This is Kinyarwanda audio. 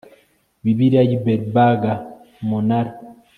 Bibiliya y i Berleburg Umunara